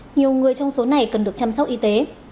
nhiều người trong số này cần được chăm sóc y tế